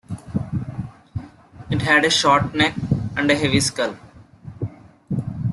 It had a short neck, and a heavy skull.